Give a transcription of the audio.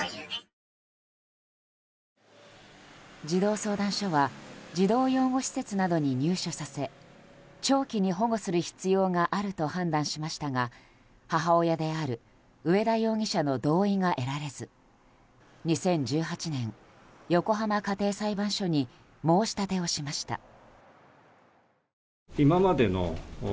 児童相談所は児童養護施設などに入所させ長期に保護する必要があると判断しましたが母親である上田容疑者の同意が得られず２０１８年、横浜家庭裁判所に申し立てをしました。